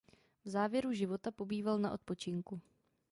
V závěru života pobýval na odpočinku.